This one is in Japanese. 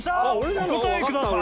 お答えください］